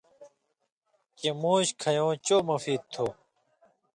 کِمُوش کھیٶں چو مفید تُھو۔